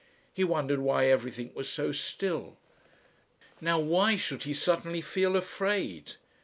He wondered why everything was so still. Now why should he suddenly feel afraid?